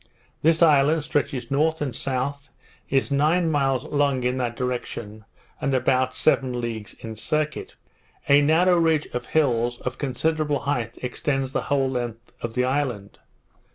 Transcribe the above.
This island stretches north and south, is nine miles long in that direction, and about seven leagues in circuit. A narrow ridge of hills of considerable height extends the whole length of the island.